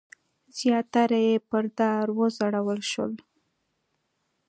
زیاتره یې پر دار وځړول شول.